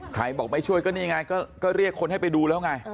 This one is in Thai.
บอกไม่ช่วยก็นี่ไงก็เรียกคนให้ไปดูแล้วไง